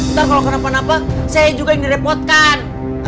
ntar kalau kenapa napa saya juga yang direpotkan